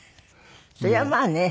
そりゃまあね。